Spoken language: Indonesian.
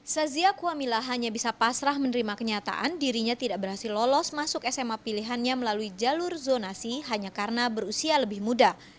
sazia kuamila hanya bisa pasrah menerima kenyataan dirinya tidak berhasil lolos masuk sma pilihannya melalui jalur zonasi hanya karena berusia lebih muda